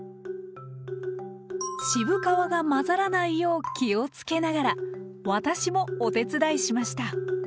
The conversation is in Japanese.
渋皮が混ざらないよう気をつけながら私もお手伝いしました。